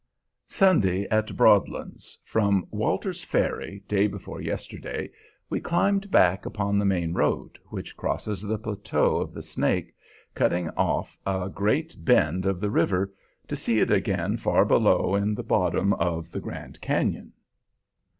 Sunday, at Broadlands. From Walter's Ferry, day before yesterday, we climbed back upon the main road, which crosses the plateau of the Snake, cutting off a great bend of the river, to see it again far below in the bottom of the Grand Cañon.